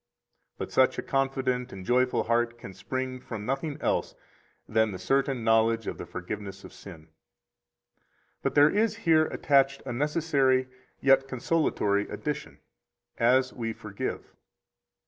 But such a confident and joyful heart can spring from nothing else than the [certain] knowledge of the forgiveness of sin. 93 But there is here attached a necessary, yet consolatory addition: As we forgive.